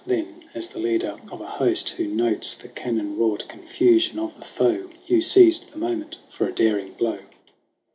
Then, as the leader of a host who notes The cannon wrought confusion of the foe, Hugh seized the moment for a daring blow.